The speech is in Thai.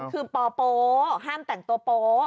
คือปโป๊ห้ามแต่งตัวโป๊